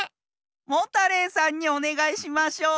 モタレイさんにおねがいしましょう。